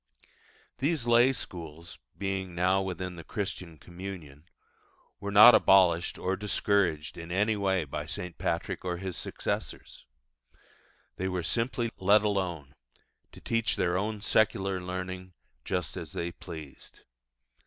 These lay schools, being now within the Christian communion, were not abolished or discouraged in any way by St. Patrick or his successors. They were simply let alone, to teach their own secular learning just as they pleased.